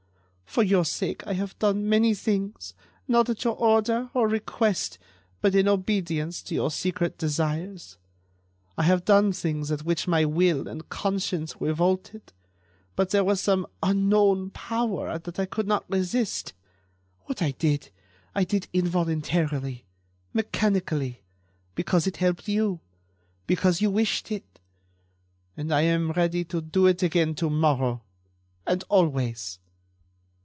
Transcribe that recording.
For your sake, I have done many things, not at your order or request, but in obedience to your secret desires. I have done things at which my will and conscience revolted, but there was some unknown power that I could not resist. What I did I did involuntarily, mechanically, because it helped you, because you wished it ... and I am ready to do it again to morrow ... and always."